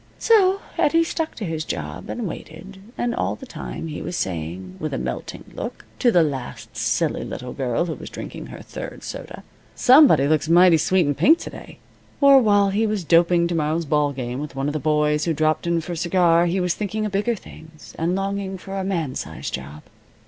So Eddie stuck to his job, and waited, and all the time he was saying, with a melting look, to the last silly little girl who was drinking her third soda, "Somebody looks mighty sweet in pink to day," or while he was doping to morrow's ball game with one of the boys who dropped in for a cigar, he was thinking of bigger things, and longing for a man size job.